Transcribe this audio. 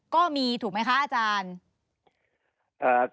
ก็มีถูกไหมคะอาจารย์